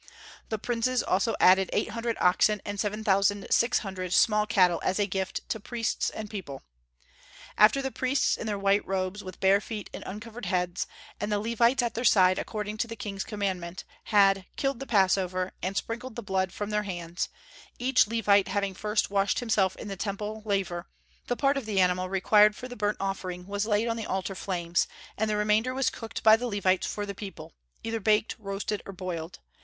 The princes also added eight hundred oxen and seven thousand six hundred small cattle as a gift to priests and people. After the priests in their white robes, with bare feet and uncovered heads, and the Levites at their side according to the king's commandment, had "killed the passover" and "sprinkled the blood from their hands," each Levite having first washed himself in the Temple laver, the part of the animal required for the burnt offering was laid on the altar flames, and the remainder was cooked by the Levites for the people, either baked, roasted, or boiled.